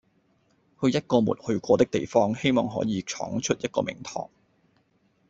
去一個沒去過的地方，希望可以闖出一個名堂